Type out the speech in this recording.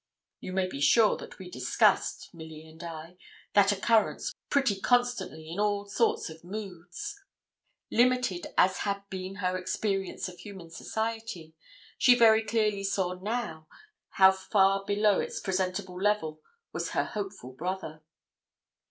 You may be sure that we discussed, Milly and I, that occurrence pretty constantly in all sorts of moods. Limited as had been her experience of human society, she very clearly saw now how far below its presentable level was her hopeful brother.